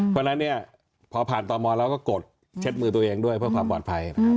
เพราะฉะนั้นเนี่ยพอผ่านตมแล้วก็กดเช็ดมือตัวเองด้วยเพื่อความปลอดภัย